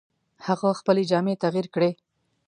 هغه خپلې جامې تغیر کړې.